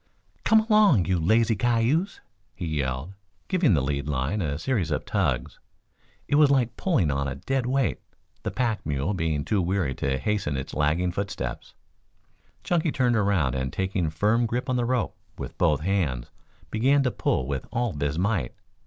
"Come along, you lazy cayuse," he yelled, giving the lead line a series of tugs. It was like pulling on a dead weight, the pack mule being too weary to hasten its lagging footsteps. Chunky turned around and taking firm grip on the rope with both hands began to pull with all his might.